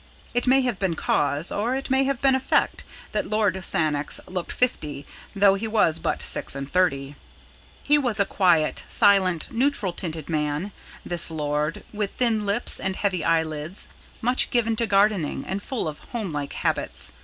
It may have been cause or it may have been effect that Lord Sannox looked fifty, though he was but six and thirty. He was a quiet, silent, neutral tinted man, this lord, with thin lips and heavy eyelids, much given to gardening, and full of home like habits.